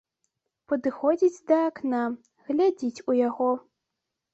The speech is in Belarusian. Падыходзіць да акна, глядзіць у яго.